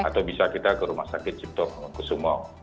atau bisa kita ke rumah sakit cipto kusumo